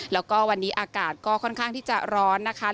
แล้วก็วันนี้อากาศก็ค่อนข้างที่จะร้อนนะคะ